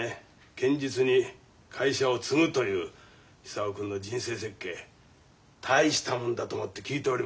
堅実に会社を継ぐという久男君の人生設計大したもんだと思って聞いておりました。